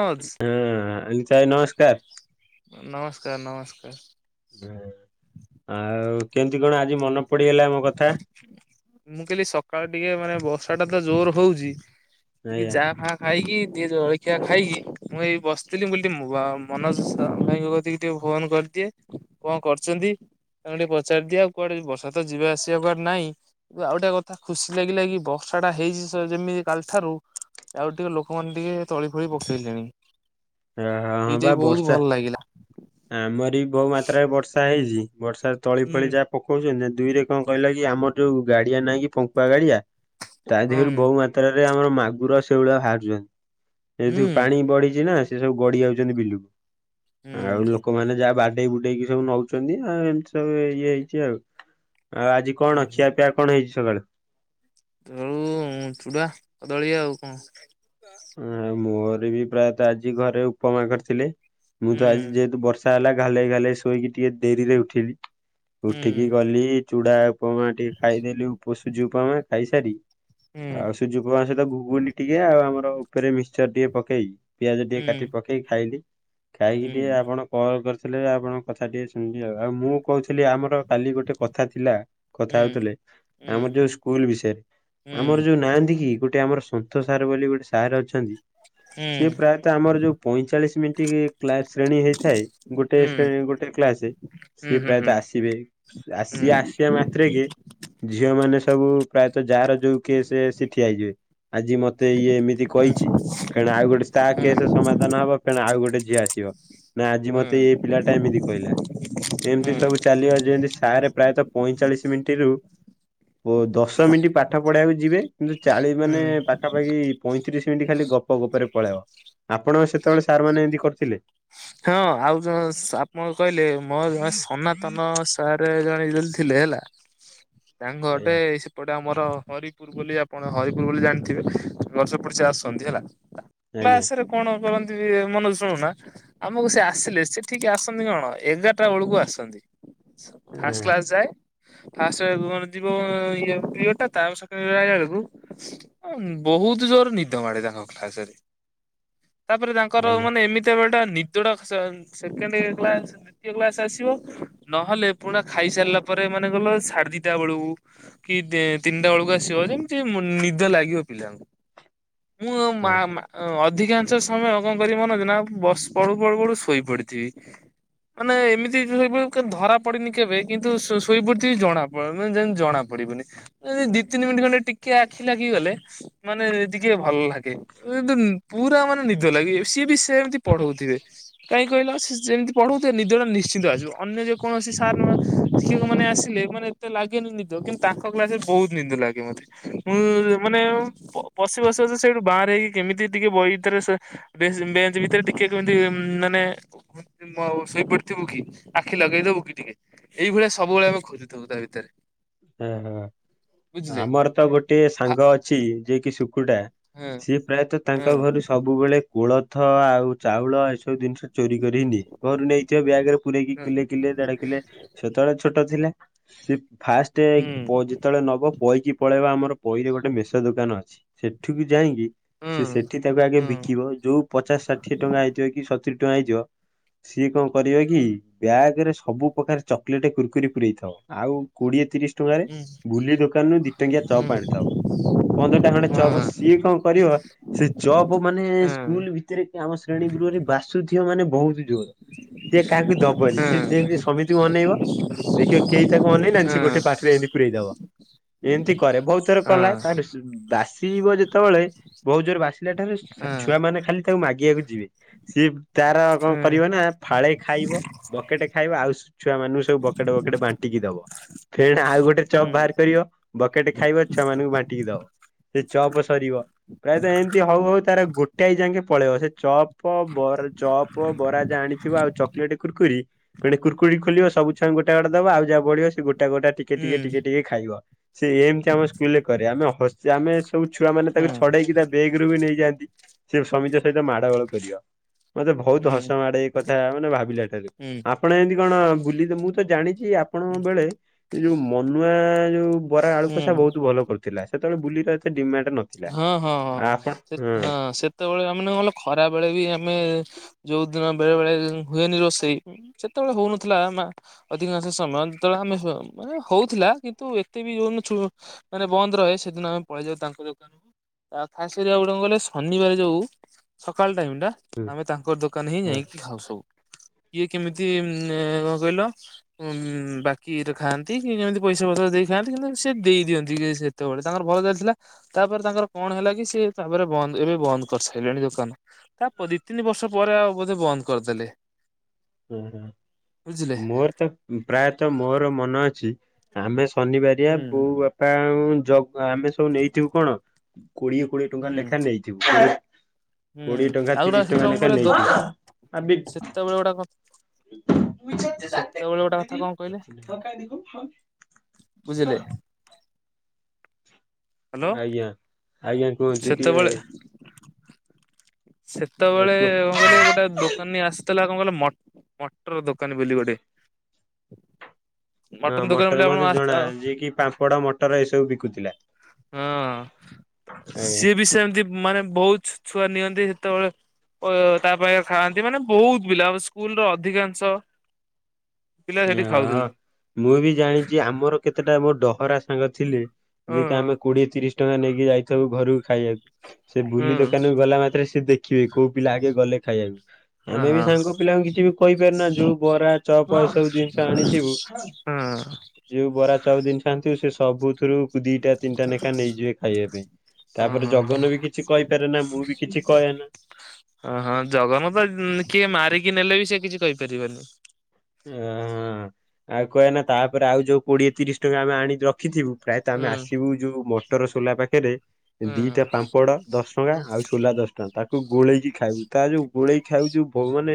ହଁ ଆନିତା ଭାଇ ନମସ୍କାର। ନମସ୍କାର ନମସ୍କାର । ହଁ ଆଉ କେମତି କଣ ଆଜି ମନ ମୁଁ କହିଲି ସକାଳେ ଟିକେ ମାନେ ବର୍ଷା ଟା ତ ଜୋର ହଉଛି ଟିକେ ଆଜ୍ଞା ଚାହା ଫାହା ଖା ଖାଇକି ଦି ଜଳଖିଆ ଖାଇକି ମୁଁ ଏଇ ବସିଥିଲି ବୋଲି ଟିକେ ମନୋଜ ଭାଇଙ୍କ କତି ଗ ଟିକେ ଫୋନ କରିଦିଏ କଣ କରଛନ୍ତି ତାଙ୍କ ଟିକେ ପଚାରିଦିଏ ଆଉ କୁଆଡେ ବର୍ଷା ତ ଯିବା ଆସିବା କୁଆଡେ ନାହିଁ କି ଆଉ ଗୋଟେ କଥା ଖୁସି ଲାଗିଲା କି ବର୍ଷା ଟା ହେଇଛି ଯେମିତି କାଲି ଠାରୁ ଆଉ ଟିକେ ଲୋକମାନେ ଟିକେ ତଳି ଫଳି ପକେଇଲେଣି । ହଁ ହଁ ବା ବର୍ଷା ଆମର ବହୁ ମାତ୍ରାରେ ବର୍ଷା ହେଇଛି ବର୍ଷା ତଳି ଫଳି ହୁଁ ଯାହା ପକଉଛନ୍ତି ଦୁଇରେ କଣ କହିଲା କି ଆମର ଯୋଉ ଗାଡିଆ ନାହିଁ କି ପଙ୍କୁୁଆ ଗାଡିଆ ତା ହଁ ଦେହରୁ ବହୁ ମାତ୍ରାରେ ଆମ ମାଗୁର ସେଇଭଳିଆ ବାହାରୁଛନ୍ତି ଏଠୁ ହୁଁ ପାଣି ବଢିଛି ନା। ସେ ସବୁ ଗଡି ଯାଉଛନ୍ତି ବିଲକୁ ଆଉ ହୁଁ ଲୋକମାନେ ଯାହା ବା ଟେଇ ବୁଟେଇକି ସବୁ ନଉଛନ୍ତି ଆଉ ଏମିତି ସବୁ ଇଏ ହେଇଛି ଆଉ । ଆଉ ଆଜି କଣ ଖିଆପିଆ କଣ ହେଇଛି ସକାଳୁ? କାଳୁ ଚୁଡ଼ା, କଦଳୀ ଆଉ କଣ? ମୋର ବି ପ୍ରାୟତଃ ଆଜି ଘରେ ଉପମା କରି ଥିଲେ । ମୁଁ ତ ଆଜି ହଁ ଯେହେତୁ ବର୍ଷା ହେଲା ଘାଲେଇ ଘାଲେଇ ଶୋଇକି ଟିକେ ଡରିରେ ଉଠିଲି । ଉଠିକି ଗଲି ଚୁଡା ଉପମା ଟିକେ ଖାଇଦେଲି ଉପସୁଜି ଉପମା ଖାଇସାରି ଆଉ ସୁଜିଉପମା ସହିତ ଘୁଘୁନି ଟିକେ ଆଉ ଆମର ଉପରେ ମିକ୍ସଚର ଟିକେ ପକେଇକି ପିଆଜ ଟିକେ କାଟି ପକେଇ ଖାଇଲି । ଖାଇକି ଟିକେ ଆପଣ କଲ୍ କରିଥିଲେ ଆପଣ କଥା ଟିକେ ଶୁଣିବି ଆଉ ଆଉ ମୁଁ କୋହୁଥିଲି ଆମର କାଲି ଗୋଟେ କଥା ଥିଲା କଥା ହୋଉଥିଲେ ଆମର ଯୋଉ ସ୍କୁଲ ବିଷୟରେ ଆମର ଯୋଉ ନାହାନ୍ତି କି ଗୋ ଟେ ଆମର ସନ୍ଥ ସାର୍ ବୋଲି ଗୋଟେ ସାର୍ ଅଛନ୍ତି ସେ ପ୍ରାୟତଃ ଆମର ଯୋଉ ପଇଁଚାଳିଶି ମି କ୍ଲାସ ଶ୍ରେଣୀ ହେଇଥାଏ ଗୋଟେ ଶ୍ରେ ଗୋଟେ କ୍ଲାସରେ ସିଏ ପ୍ରାୟତଃ ଆସିବେ ସିଏ ଆସିବା ମାତ୍ରେକ ଝିଅ ମାନେ ସବୁ ପ୍ରାୟତଃ ଯାହାର ଯୋଉ କେସ୍ ସେ ଠିଆହେଇଯିବେ ଆଜି ମତେ ଇଏ ଏମିତି କହିଚି ଫେଣ ଆଉ ଗୋଟେ ତା କେସ୍ ସମାଧାନ ହବ ଫେଣ ଆଉ ଗୋଟେ ଝିଅ ଆସିବ। ନା ଆଜି ମତେ ଏପିଲାଟା ଏମିତି କହିଲା। ଏମିତି ସବୁ ଚାଲିବ ଯେମିତି ସାର୍ ପ୍ରାୟତଃ ପଇଁଚାଳିଶି ମିଣ୍ଟି ରୁ ଓ ଦଶ ମିନିଟ ପାଠ ପଢିବାକୁ ଯିବେ କିନ୍ତୁ ଚାଳି ମାନେ ପାଖାପାଖି ପଇଁତିରିଶ ସେମିତି ଖାଲି ଗପ ଗପରେ ପଳାଅ ଆପଣ ସେତେବେଳେ ସାର୍ ମାନେ ଏମିତି କରୁଥିଲେ? ହଁ ଆଉ ଜଣେ ଆପଣ କହିଲେ ମୋ ଜଣେ ସନାତନ ସାରେ ଜ [unintelligible] ଥିଲେ ହେଲା ତାଙ୍କ ଘରଟେ ଆଜ୍ଞା ସେପଟେ ଆମର [unintelligible] ହରିପୁର ବୋଲି ଆପଣ ହରିପୁର ବୋଲି ଜାଣିଥିବେ ବର୍ଷ [unintelligible] ସେ ଆସନ୍ତି ହେଲା। ଆଜ୍ଞା କ୍ଲାସରେ କଣ କରନ୍ତି ବି ମାନେ ଶୁଣୁନା। ଆମକୁ ସେ ଆସିଲେ ସେ ଠିକେ ଆସନ୍ତି କଣ ଏଗାରଟା ବେଳକୁ ଆସନ୍ତି। ଫାଷ୍ଟ ହଁ କ୍ଲାସ ଯାଏ। ଫାଷ୍ଟ ମାନେ ଜିବା ଇଏ ପିରିୟଡ ଟା ତା ସକାଳେ [unintelligible] ଆଇଲା ବେଳକୁ ଅଁ ବୋ ବୋହୁତ ଜୋରେ ନିଦ ମାଡେ ତାଙ୍କ କ୍ଲାସରେ। [unintelligible] ତାପରେ ତାଙ୍କର ଆଜ୍ଞା। ମାନେ ଏମିତିଆ ଗୋଟେ ନି ଯୋଉଟା ସେ ସେକେଣ୍ଡ କ୍ଲାସ ଦ୍ୱିତୀୟ କ୍ଲାସ୍ ଆସିବ ନହେଲେ ପୁଣା ଖାଇସାରିଲା ପରେ ମନ ଗଲ ସାଢେ ଦିଟା ବେଳକୁ କି ଦି ତିନିଟା ବେଳକୁ ଆସିବ ଯେମିତି ମୁ ନିଦ ଲାଗିବ ପିଲାଙ୍କୁ। [unintelligible] ମୁଁ ମା-ମା ଅଧିକାଂଶ ସମୟ କଣ କରିବନା ବ ପଢୁ ପଢୁ ପଢୁ ଶୋଇ ପଡିଥିବି। ମାନେ ଏମିତି ଶୋଇପଡି ଧରା ପଡନି କେବେ କିନ୍ତୁ ଶୋଇ ଶୋଇ ପଡିଥିବି ଜଣା ପଡ ଯେମତି ଜଣା ପଡିବନି ଇଂ ଦି ତିନି ମିନିଟ୍ ଖଣ୍ଡେ ଟିକେ ଆଖି ଲାଗିଗଲେ ମାନେ ଟିକେ ଭଲ ଲାଗେ। [unintelligible] ପୁରା ମାନେ ନିଦ ଲାଗେ ସିଏ ବି ସେମତି ଥିବେ କାଇଁ କହିଲ ସେ ଯେମିତି ପଢୋଉଥିବେ ନିଦଟା ନିଶ୍ଚିନ୍ତ ଆସିବ। ଅନ୍ୟ ଯେକୌଣସି ସାର୍ ଶିକ୍ଷକ ମାନେ ଆସିଲେ ମାନେ ଏତେ ଲାଗେନି ନିଦ। କିନ୍ତୁ ତାଙ୍କ କ୍ଲାସରେ ବୋହୁତ ନିଦ ଲାଗେ ମତେ। ମୁଁ ମାନେ ପ-ପଶି ପଶି ପଶି ସେଇଠୁ ବାହାରେ କେମିତି ଟିକେ ବହି ଭିତରେ ସେ ବେ-ବେଞ୍ଚ ଭିତରେ ଟିକେ କେମିତି ମାନେ [inaudible] ଶୋଇ ପଡିଥିବୁ କି ଆଖି ଲଗେଇଦୋବୁ କି ଟିକେ ଏଇଭଳିଆ ସବୁବେଳେ ଆମେ ଖୋଜୁଥାଉ ତାଭିତରେ। ହଁ ହଁ ଆମର ତ ଗୋଟିଏ ଭା ସାଙ୍ଗ ଅଛି ଯିଏକି ଶୁକୁଟା। ହଁ ସିଏ ପ୍ରାୟତଃ ହଁ ତାଙ୍କ ଘରୁ ସବୁବେଳେ କୋଳଥ ଆଉ ଚାଉଳ ଏସବୁ ଜିନିଷ ଚୋରି କରି ନିଏ। ଘରୁ ନେଇଥିବ ବ୍ୟାଗରେ ପୁରରେକି କିଲେ କିଲେ ଦେଢ଼ କିଲେ ସେତେବେଳେ ଛୋଟ ଥିଲା ସେ ଫାଷ୍ଟରେ ହୁଁ ପ ଯେତେବେଳେ ନବ କଇକି ପଳେଇବ। ଆମର ପଇରେ ଗୋଟେ ମେଷ ଦୋକାନ ଅଛି। ସେଠିକୁ ଯାଇଁକି ହୁଁ ସେ ସେଠି ତାକୁ ଆଗେ ହୁଁ ବିକିବ ଯୋଉ ପଚାଶ ଷାଠିଏ ଟଙ୍କା ହେଇଥିବ କି ସତୁରି ଟଙ୍କା ହେଇଥିବ। ସିଏ କଣ କରିବ କି ବ୍ୟାଗରେ ସବୁ ପ୍ରକାର ଚକୋଲେଟ କୁୁରକୁରି ପୁରେଇଥିବ ଆଉ କୋଡିଏ ତିରିଶ ଟଙ୍କାରେ ହୁଁ ବୁଲି ଦୋକାନରୁ ଦି ଟଙ୍କିଆ ହୁଁ ଚପ୍ ଆଣିଥବ। ପନ୍ଦରଟା ଖଣ୍ଡେ ହଁ ଚପ୍ ସିଏ କଣ କରିବ ସେ ଚପ୍ ମାନେ ହଁ ସ୍କୁଲ ଭିତରେ ଆମ ଶ୍ରେଣୀ ଗୃହରେ ବାସୁଥିବ ମାନେ ବୋହୁତ ଜୋର ସିଏ କାହାକୁ ଦବନି ହଁ ସିଏ ଯେମିତି ସମତିକୁ ଅନେଇବ ଦେଖିବ କେହି ତାକୁ ଅନେଇ ନାହାନ୍ତି ସିଏ ହଁ ଗୋଟେ ପାଟିରେ ଏମିତି ପୁରେଇଦବ। ଏମିତି କରେ ବୋହୁତ ଥର କଲା ତାପରେ ବାସି ଯି ଇବ ଯେତେବେଳେ ବୋହୁତ ଜୋରରେ ବାସିଲା ଟାଇମ୍ ରେ ଛୁଆ ହଁ ମାନେ ଖାଲି ତାକୁ ମାଗିବାକୁ ଯିବେ । ସିଏ ତାର କଣ ହଁ କରିବ ନା ଫାଳେ ଖାଇବ ବକେଟେ ଖାଇବ। ଆଉ ଛୁଆମାନଙ୍କୁ ସବୁ ବକେଟେ ବକେଟେ ବାଣ୍ଟି ଦବ ଫେର ଆଉ ଗୋଟେ ଚପ୍ ହୁଁ ବାହାର କରିବ। ବକେଟେ ଖାଇବ ଛୁଆ ମାନଙ୍କୁ ବାଣ୍ଟିକି ଦବ ସେ ଚପ୍ ସରିବ । ପ୍ରାୟତଃ ଏମିତି ହଉ ହଉ ତାର ଗୋଟେଏ ଯାକେଁ ପଳେଇବ ସେ ଚପ୍ ଚପ ବ ଚପ ବରା ଯାହା ଆଣିଥିବ ଆଉ ଚକୋଲେଟ କୁର୍କୁରି ପୁଣି କୁର୍କୁରି ଖୋଲିବ ସବୁ ଛୁଆ ଙ୍କୁ ଗୋଟେ ଗୋଟେ ଦେବ, ଆଉ ଯାହା ବଳିବ ସେ ଗୋ ଟା ଗୋଟା ଟିକେ ହୁଁ ଟିକେ ଟିକେ ଟିକେ ଖାଇବ । ସେ ଏମିତି ଆମ ସ୍କୁଲରେ କରେ। ଆମେ ହ ଆମେ ସବୁ ଛୁଆ ମାନେ ତା ଛଡେଇକି ତା ବେଗରୁୁ ବି ନେଇଯାଆନ୍ତି। ସେ ସମିସ୍ତିଙ୍କ ସହିତ ମାଡଗୋଳ କରିବ । ମତେ ବହୁତ ହୁଁ ହସ ହୁଁ ମାଡେ ଏଇ କଥା ମାନେ ଭାବିଲା। ହୁଁ ଆପଣ ଏମତି କଣ ବୁଲି । ମୁଁ ତ ଜାଣିଛି ଆପଣଙ୍କ ହୁଁ ବେଳେ ଯୋଉ ମନୁଆ ଯୋଉ ବରା ହୁଁ ଆଳୁକସା ବହୁତ ଭଲ କରୁଥିଲା। ସେତେବେଳେ ବୁଲିର ଏତେ ଡିମାଣ୍ଡ ନଥିଲା। ହଁ ହଁ ଆ ଆପଣ ହଁ ହଁ ସେତେବେଳେ [unintelligible] ଗଲେ ଖରା ବେଳେ ବି ଆମେ ଯୋଉ ଦିନ ବେଳେ ବେଳେ ହୁଏନି ରୋଷେଇ, ସେତେବେଳେ ହଉନଥିଲା ମା ଅଧିକାଂଶ ସମୟ ଯେତେବେଳେ ଆମେ ମାନେ ହଉଥିଲା କିନ୍ତୁ ଏତେ ବି ଯୋଉ ମାନେ ବନ୍ଦ ରହେ । ସେଦିନ ଆମେ ପଳେଇଯାଉ ତାଙ୍କ ଯଉ ଖାସ୍ କରି ଆଉ ଗୋଟେ କଣ କହିଲେ ଶନିବାରେ ଯୋଉ ସକାଳ ଟାଇମ ହୁଁ ଆମେ ତାଙ୍କ ଦୋକାନ ହିଁ ହୁଁ ଯାଇକି ଖାଉ ସବୁ [inaudible] ଇଏ କେମିତି ଉ କଣ କହିଲ ଉ ବାକିରେ ଖାଆନ୍ତି। କି କେମତି ପଇସା ପତ୍ର ଦେଇ ଥାନ୍ତି କିନ୍ତୁ ସିଏ ଦେଇ ଦିଅନ୍ତି କି ସେତେବେଳେ ତାଙ୍କର ଭଲ ଚାଲିଥିଲା। ତାପରେ ତାଙ୍କର କଣ ହେଲା କି ସିଏ ତାପରେ ବନ୍ଦ ଏବେ ବନ୍ଦ କରିସାରିଲେଣି ଦୋକାନ । ତାପ ଦି ତିନି ବର୍ଷ ପରେ ବୋଧେ ବନ୍ଦ କରିଦେଲେ। ଓ ହ ବୁଝିଲେ ମୋର ତ ପ୍ରାୟତଃ ମୋର ମନ ଅଛି ଆମେ ଶନିବାରିଆ ହୁଁ ବୋଉ ବାପା ଜ ଆମେ ସବୁ ନେଇଥିବୁ କଣ କୋଡିଏ କୋଡିଏ ଟଙ୍କା ହୁଁ ଲେଖା ନେଇଥିବୁ। ହୁଁ କୋଡିଏ ଟଙ୍କା ଆଉ ଗୋଟେ ତିରିଶ ସେଥିରେ ଟଙ୍କା କଣ ଲେଖା କହିଲେ ନେଇ ଦୋକା [unintelligible] ସେତେବେଳେ ଗୋଟା ସେତେବେଳେ ଗୋଟା କଥା କଣ କହିଲେ [inaudible] ବୁଝିଲେ [unintelligible] ହ୍ୟାଲୋ ଆଜ୍ଞା ଆଜ୍ଞା କୁହନ୍ତୁ ଟିକେ ସେତେବେଳେ ଆ ସେତେବେଳେ କୁହ। କଣ କହିଲେ ଗୋଟେ ଦୋକାନି ଆସି କଣ କହିଲ ମଟର ଦୋକାନୀ ବୋଲି ଗୋଟେ ହଁ ମଟନ ଦୋକାନ ମଟର ବୋଲି ମତେ ଜଣା ଆପଣ ଯିଏ କି ପାମ୍ପଡ ମଟର ଏସବୁ ବିକୁଥିଲା। ହଁ ଆଜ୍ଞା ସିଏ ବି ସେମିତି ମାନେ ବହୁତ ଛୁଆ ନିଅନ୍ତି ସେତେବେଳେ। ଓ ତାପ ପାଇଁ ଖାଆନ୍ତି ମାନେ ବହୁତ ପିଲା ସ୍କୁଲ ର ଅଧିକାଂଶ ପିଲା ସେଠି ଖାଉଥିଲେ। [unintelligible] ମୁଁ ବି ଜାଣିଛି ଆମର କେତେଟା ମୋର ଡହରା ସାଙ୍ଗ ଥିଲେ। ହଁ ଯେ କିି ଆମେ କୋଡିଏ ତିରିଶ ଟଙ୍କା ନେଇକି ଯାଇଥାଉୁ ଘରକୁ ଖାଇବାକୁ ସେ ବୁଲି ହୁଁ ଦୋକାନକୁ ଗଲା ମାତ୍ରେ ସେ ଦେଖ ଦେଖିବେ କୋଉ ପିଲା ଆଗେ ଗଲେ ଖାଇବାକୁ ଅ ଆମେ ବି ହଁ ସାଙ୍ଗ ପିଲାଙ୍କୁ କିଛି ବି କହିପାରୁନା ଯୋଉ ବରା ଚପ ସବୁ ଜିନିଷ ଆଣିଥିବୁ, ହଁ ଯୋଉ ବରା ଚପ ଜିନିଷ ଆଣିଥିବୁ ସେ ସବୁଥିରୁ ଦିଟା ତିନିଟା ନେଖା ନେଇଯିବେ ଖାଇବା ପାଇଁ। ହଁ ତାପରେ ହଁ ଜଗନ ବି କିଛି କହିପାରେ ନା ମୁଁ ବି କିଛି କହେ ନା। ଅଁ ହଁ ଜଗନ ତ କିଏ ମାରିକି ନେଲେ ବି ସିଏ କିଛି କହିପାରିବନି। [unintelligible] ଆଉ କହେ ନା ତାପରେ ଆଉ ଯୋଉ କୋଡିଏ ତିରିଶ ଟଙ୍କା ଆମେ ଆଣି ରଖିଥିବୁ ପ୍ରାୟତଃ ଆମେ ହୁଁ ଆସିବୁ ଯୋଉ ମଟର ସୋଲା ପାଖରେ ହୁଁ ଦିଟା ପାମ୍ପଡ ଦଶ ଟଙ୍କା ଆଉ ସୋଲା ଦଶ ଟଙ୍କା ତାକୁ ଗୋଳେଇକି ଖାଇବୁ ତା ଯୋଉ ଗୋଳେଇ ଖାଇଵୁ ଯୋଉ [unintelligible] ମାନେ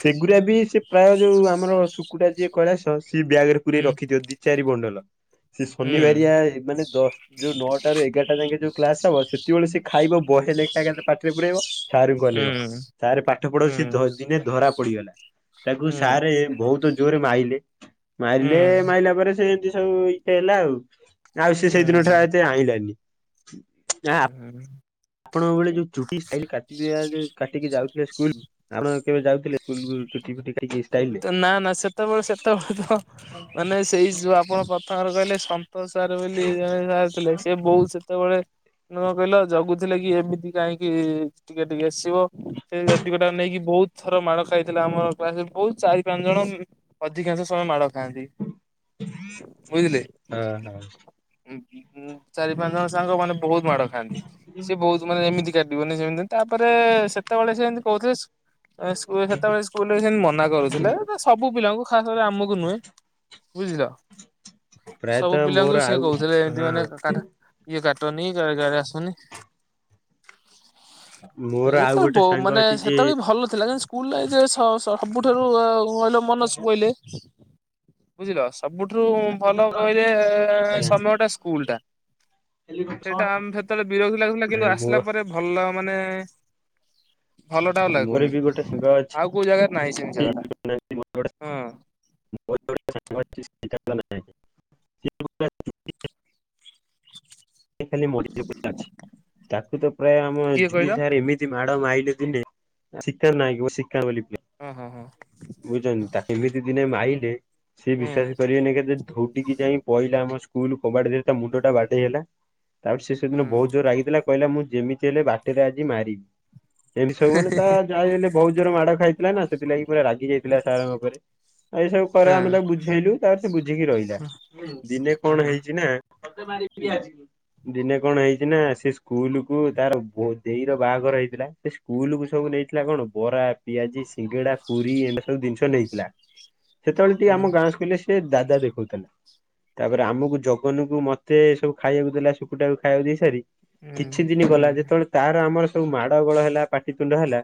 ସେଗୁଡା ବି ସେ ପ୍ରାୟ ଯୋଉ ଆମ ଆମର ଶୁକୁଡା ଯିଏ କୈଳାଶ ସେ ବ୍ୟାଗ ରେ ପୁରେଇ ହୁଁ ରଖିଥିବ ଦି ଚାରି ବଣ୍ଡଲ ସେ ହୁଁ ଶନିବାରିଆ ମାନେ ଦଶ ଯୋଉ ନଅଟା ରୁ ଏଗାରଟା ଯୋଉ କ୍ଲାସ [unintelligible] ସେତେବେଳେ ସେ ଖାଇବ ବହେ ନେଖା ଏକାଥରେ ପାଟିରେ ପୁରେଇବ ସାରଙ୍କୁ ହୁଁ ଅନେଇବ ସାରେ ପାଠ ହୁଁ ପଢଉଚି ସେ ଧ ସେ ଦିନେ ଧରା ପଡିଗଲା ତାକୁ ହୁଁ ସାରେ ବହୁ ତୁ ଜୋରେ ମାଇଲେ ମାଇଲେ ମାରିଲା ପରେ ସେ ଏମତି ସବୁ ଇେ ହେଲା ଆଉ। ନା ଆଉ ସେ ହୁଁ ସେଇଦିନ ଠୁ ଏତେ ଆଁଇଲାନି। [unintelligible] ଆପଣଙ୍କ ବେଳେ ଯୋଉ ଚୁଟିଷ୍ଟାଇଲ କାଟି ଦିଆଯାଉଚି, କାଟିକି ଯା ଯାଉଥିଲେ ସ୍କୁଲକୁ, ଆପଣ କେବେ ଯାଉଥିଲେ ସ୍କୁଲକୁ ଚୁଟି ଫୁଟି କା ନା ନା ସେତେବେଳେ, ସେତେବେଳେ ତ, ମାନେ ସେଇ ଯୋଉ ଆପଣ ପ୍ରଥମରେ କହିଲେ [unintelligible] ସାର୍ ବୋଲି ଜଣେ ସାର୍ ଥିଲେ, ସେ ବୋଉ ସେତେବେଳେ ନୁ କହିଲ ଜଗୁଥିଲେ କି ଏମିତି କାହିଁକି ଟିକେ ଟିକେ ଆସିବ, ସେ [unintelligible] ନେଇକି ବହୁତ ଥର ମାଡ଼ ଖାଇଥିଲା ଆମ କ୍ଲାସ ବହୁତ ଚାରି ପାଞ୍ଚ ଜଣ ଅଧିକାଂଶ ସମୟ ମାଡ଼ କାହାନ୍ତି, ବୁଝିଲେ, ହଁ ହଁ ଉଁ ଉଁ ଚାରି ପାଞ୍ଚ ଜଣ ସାଙ୍ଗ ମାନେ ବହୁତ ମାଡ଼ ଖାଆନ୍ତି, ସେ ବହୁତ ମାନେ ଏମିତି କାଟିବନି ସେମିତି ତାପରେ ସେତେବେଳେ ସେମିତି କହୁଥିଲେ [unintelligible] ସେତେବେଳେ ସ୍କୁଲରେ ସେମତି ମନା। କରୁଥିଲେ ସବୁ ପିଲାଙ୍କୁ, ଖାସ କରି ଆମକୁ ନୁହେଁ ବୁଝିଲ ସବୁ ପ୍ରାୟତଃ ପିଲାଙ୍କୁ ମୋର ସେ ଆଉ କହୁଥିଲେ ଏମତି ମାନେ ହଁ କାଠା ଇଏ କାଠା। ଟ ନି ଗାରେ ଗାରେ ଆକାରେ ଆସନି। [unintelligible] ମୋର ଆଉ ଏତେ ଗୋଟେ ବୋ ସାଙ୍ଗ ମାନେ ଅଛି ସେତେବେଳେ ଭଲ ଥିଲା ଜାଣିଛୁ। ସ୍କୁଲରେ ଯେ ସ ସ ସବୁଠାରୁ କହିଲ ମନଜ ପୋଇଲେ ବୁଝିଲ। ସବୁଠୁରୁ ଭଲ କହିଲେ ଯେ ସମୟଟା ସ୍କୁଲ ଟା। ସେଇଟା ଆମେ ସେତେବେଳେ ବିରତକ୍ ଲାଗୁଥିଲା କିନ୍ତୁ ମୋ ଆସିଲା ପରେ ଭଲ ମାନେ ଭଲ ଟା ଆଉ ମୋର ଲାଗୁନି, ବି ଗୋଟେ ସାଙ୍ଗ ଅଛି ଆଉ କୋଉ ଜାଗାରେ ନାହିଁ ସେମିତି। ଜାଗା ଟା ହଁ [unintelligible] [unintelligible] ଖାଲି ମଡି [unintelligible] ଅଛି ତାକୁ ତ ପ୍ରାୟ ଆମ କିଏ ଜୁଲି କହିଲ ସାରେ ଏମିତି ମା ତାକୁ ମାଇଲେ ଦିନେ, ସିକା ନାଗିବ ସିକା ବୋଲି। ପିଲା ହୁଁ ହୁଁ ହୁଁ । କେ ସିଏ ବିଶ୍ଵାସ ହୁଁ କରିବେ ନେଇ କେତେ? ଧଉଡିକି ଯାଇ ପଇଲା ଆମ ସ୍କୁଲ କବାଟ ଦେହରେ ତା ମୁଣ୍ଡ ଟା ବାଟେଇ ହେଲା। ତାପରେ ସେ ସେଦିନ ହୁଁ ବହୁତ ଜୋରେ ରାଗିଥିଲା କହିଲା ମୁଁ ଯେମିତି ହେଲେ ବାଟରେ ଆଜି ମାରିବି। ଏମିତି ସବୁମାନେ ତା ଯାଇ ହେଲେ ବହୁତ ଜୋର ମାଡ ଖାଇଥିଲା ନା, ସେଥିଲାଗି ପୁରା ରାଗି ଯାଇଥିଲା ସାରଙ୍କ ଓପରେ। ଆଉ ସବୁ କର, ହୁଁ ଆମେ ତାକୁ ବୁଝେଇଲୁ, ତାପ ବୁଝିକି ରହିଲା, ହୁଁ, ଦିନେ ହଁ କଣ ହଁ ହେଇଛି ନା ଫତେ ମାରିବି ଆସି ଦିନେ କଣ ହେଇଛି ନା, ସେ ସ୍କୁଲ କୁ ତାର ଦେଇର ବାହାଘର ହେଇଥିଲା, ସେ ସ୍କୁଲ କୁ ସବୁ ନେଇଥିଲା କଣ? ବରା, ପିଆଜି, ସିଙ୍ଗଡା, ପୁର ଏ ସବୁ ଜିନିଷ ନେଇଥିଲା, ସେତେବେଳେ ଟିକେ ହୁଁ ଆମ ଗାଁ ସ୍କୁିଲରେ ସେ ଦାଦା ଦେଖେଉଥିଲା । ତାପରେ ଆମକୁ ଜଗନକୁ ମତେ ଏ ସବୁ ଖାଇବାକୁ ଦେଲା ସୁକୁଟାକୁ ଖାଇବାକୁ ଦେଇ ସାରି ହୁଁ କିଛି ଦିନ ଗଲା ହୁଁ ଯେତେବେଳେ, ତାର ଆମର ସବୁ ମାଡ ଗୋଳ ହେଲା, ପାଟିିତୁଣ୍ଡ ହେଲା,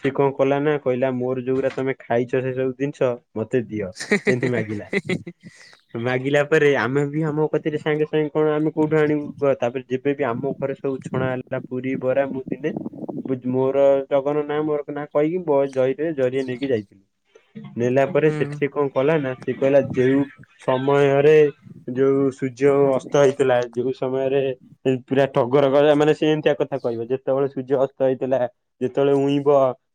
ସି କଣ କଲା ନା- କହିଲା ମୋର ଯୋଉ ରାତି ତମେ ଖାଇଛ ସେ ସବୁ ଜିନିଷ, ମତେ ଦିଅ, ଏମତି ମାଗିଲା । ମାଗିଲା ପରେ, ଆମେ ବି ଆମ କତିରେ ସାଙ୍ଗେ ସାଙ୍ଗେ କଣ? ଆମେ କୋଉଠୁ ଆଣିବୁ, ତାପରେ ଯେବେ ବିି ଆମ ପୋଖରେ [unintelligible] ସବୁ ଛଣା ହେଲା ପୁରୀ ବରା ଦିନେ ମୋର ଜଗନ ନାଁ ମୋର ନା କହିକି, ଜରେ ଜରିଆ ନେଇକି ଯାଇଥିଲି । ନେଲା ପରେ ହୁଁ ସେଠି କଣ କଲା ନା, ସେ କହିଲା ଯୋଉ ସମୟରେ ଯୋଉ ସୂର୍ଯ୍ୟ ଅସ୍ତ ହେଇଥିଲା, ଯଉ ସମୟରେ ପୁରା ଠଗର କ ମାନେ ସେ ଏମିତିଆ କଥା କହିବ, ଯେତେବେଳେ ସୂର୍ଯ୍ୟ ଅସ୍ତ ହେଇଥିଲା, ଯେତେବେଳେ ଉଇଁବ,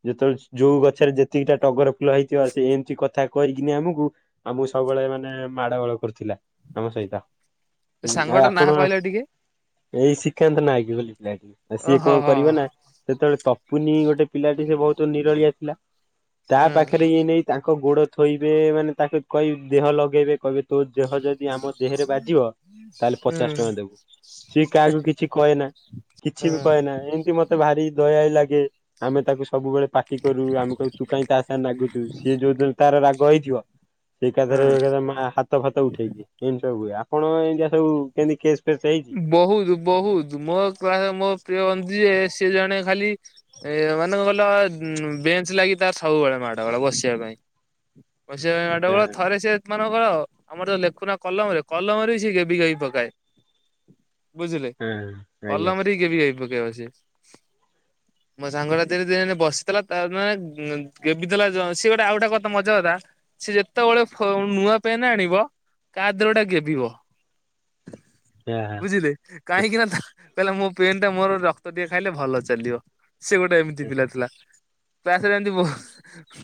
ଯେତେବେଳେ ଯୋଉ ଗଛରେ ଯେତ ଏତିକିଟା ଟଗର ଫୁଲ ହେଇଥିବ, ସେ ଏମିତି କଥା କହିିକିନି ଆମକୁ ଆମକୁ ସବୁବେଳେ ମାନେ ମାଡ଼ ଗୋଳ କରୁଥିଲା । ନମ ସଇତା ସାଙ୍ଗ ଟା ନା କହିଲା ଟିକେ? ଏଇ ଶିଖାନ୍ତ ନାଏକ ବୋଲି ପିଲାଟିଏ, ସିଏ ଓହୋ କଣ ହଁ କରିବ ନା? ସେତେବେଳେ ତପୁନି ଗୋଟେ ପିଲାଟି ସେ ବହୁତ ନିରଳିଆ ପିଲା, ତା ଉଁ ପାଖରେ ଇଏ ନେଇ ତାଙ୍କ ଗୋଡ ଥୋଇବେ, ମାନେ ତାକୁ କହ ଦେହ ଲଗେଇବେ, କହିବେ ତୋ ଦେହ ଯଦି ଆମ ଦେହରେ ବାଜିବ ତାହେଲେ ପଚାଶ ଟଙ୍କା ଦେବୁ। ସିଏ କାହାକୁ କିଛି କହେନା ଉଁ କିଛି ବି କହେନା ଏମିତି ମତେ ଭାରି ଦୟାଳି ଲାଗେ ଆମେ ତାକୁ ସବୁବେଳେ ପାଟି କରୁ। ଆମେ କହୁ ତୁ କାହିଁ ତା ସାଙ୍ଗ ନାଗୁଛୁ, ସିଏ ଯୋଉ ଦିନ ତାର ରାଗ ହେଇ ସେ ଏକା ଥରେ ଉଁ ହାତ ଫାତ ଉଠେଇଚି। [unintelligible] କଣ ଏନ୍ତିଆ ସବୁ କେମତି କେ ବହୁତ ବହୁତ ମୋ କା ମୋ ପ୍ରିୟ ବନ୍ଧୁ ଯିଏ ସେ ଜଣେ ଖାଲି ଏ ମାନେ କଣ କହିଲ ବେଞ୍ଚ ଲାଗି ତାର ସବୁବେଳେ ମାଡ ବେଳେ ବସିବା ପାଇଁ । ବସିବା ପାଇଁ ମାଡ଼ଗୋଳ। ହଁ ଥରେ ସେ ମାନଙ୍କର ଆମର ଯଉ ଲେଖୁନା କଲମ ରେ କଲମରେ ସେଏ ଗେବି ଗାବି ପକାଏ । ବୁଝିଲେ, ହଁ ଆଜ୍ଞା କଲମରେ ବି ଗେବି ଗାବି ପକେଇବ ସେ। ମୋ ସାଙ୍ଗଟା [unintelligible] ବସିଥିଲା ତାର ମାନେ ଗେବି ଦେଲା। ସିଏ ଗୋଟେ ଆଉ ଗୋଟେ ମଜା କଥା ସେ ଯେତେବେଳେ ନୂଆ ପେନ୍ ଆଣିବ କା ଦେହରେ ଗୋଟେ ଗେବିବ। [inaudible] ବୁଝିଲେ, କାହିଁକି ନା ତା କହିଲା ମୋ ପେନ୍ ଟା ମୋର ରକ୍ତ ଟିକେ ଖାଇଲେ ଭଲ ଚାଲିବ। ସେ ଗୋଟେ ଏମିତି ପିଲା ଥିଲା । କ୍ଲାସ୍ ରେ ଏମିତି ବ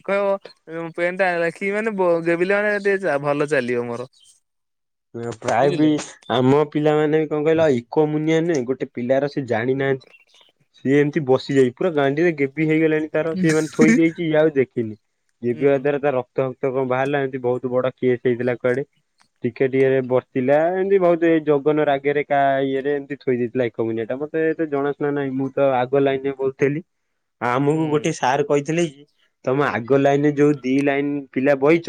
କହିବ ପେନଟା ଲେଖିବି ମାନେ ଗେବିଲେ ମାନେ ଟିକେ ଚା ଭଲ ଚାଲିବ ମୋର। ପ୍ରାୟ ବି ବୁଝିଲେ ଆମ ପିଲାମାନେ ବି କଣ କହିଲ ଏକ ମୁନ ଗୋଟେ ପିଲାର ସେ ଜାଣିନାହାନ୍ତି। ସିଏ ଏମିତି ବସିଯାଇଚି ପୁରା ଗାଣ୍ଡିରେ ଗେବି ହେଇଗଲେଣି ତାର ସେମାନେ ଥୋଇ ଦେଇଛି ଇଏ ଆଉ ଦେଖିନି। ହୁଁ ଗେବିବା ଦ୍ୱାରା ତାର ରକ୍ତ କଣ ବାହାରିଲା ଏମିତି ବହୁତ ବଡ କେସ ହେଇଥିଲା କୁଆଡେ? ଟିକେଟ ଇଏରେ ବସିଥିଲା। ଏମିତି ବହୁତ ଏଇ ଜଗନ ରାଗରେ କା ଇଏରେ ଏମିତି ଥୋଇ ଦେଇଥିଲା ଏକ ମୁନିଆ ଟା। ମତେ ସେ ଏତେ ଜଣା ଶୁଣା ନାହିଁ। ମୁଁ ତ ଆଗ ଲାଇନରେ ବସୁଥିଲି । ହଁ ଆମକୁ ଗୋଟେ ହୁଁ ସାର୍ କହିଥିଲେ କି ତମ ଆଗ ଲାଇନ ରେ ଯୋଉ ଦି ଲାଇନ ପିଲା ବଇଚ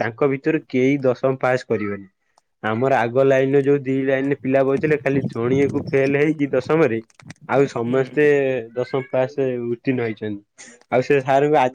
ତାଙ୍କ ଭିତରୁ କେହି ଦଶମ ପାସ୍ କରିବେନି। ଆମର ଆଗ ଲାଇନ ର ଯୋଉ ଦି ଲାଇନରେ ପିଲା ବଉଥିଲେ ଖାଲି ଜଣିଏ ଫେଲ ହେଇଚି ଦଶମରେ ଆଉ ହୁଁ। ସମସ୍ତେ ଦଶମ ପାସ ଉତ୍ତୀର୍ଣ ହେଇଛନ୍ତି। ଆଉ ସେ ସାରଙ୍କୁ ଆ